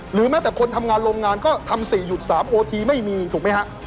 แม้แต่คนทำงานโรงงานก็ทำ๔หยุด๓โอทีไม่มีถูกไหมฮะ